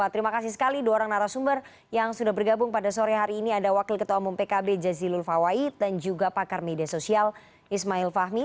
terima kasih sekali dua orang narasumber yang sudah bergabung pada sore hari ini ada wakil ketua umum pkb jazilul fawait dan juga pakar media sosial ismail fahmi